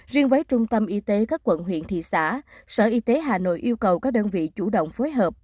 riêng với trung tâm y tế các quận huyện thị xã sở y tế hà nội yêu cầu các đơn vị chủ động phối hợp